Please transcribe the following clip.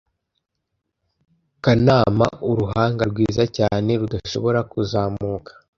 kunama uruhanga rwiza cyane rudashobora kuzamuka